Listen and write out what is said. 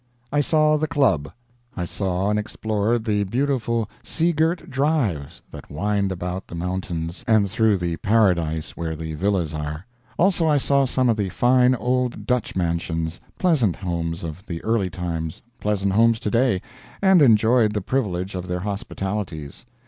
I saw the club. I saw and explored the beautiful sea girt drives that wind about the mountains and through the paradise where the villas are: Also I saw some of the fine old Dutch mansions, pleasant homes of the early times, pleasant homes to day, and enjoyed the privilege of their hospitalities.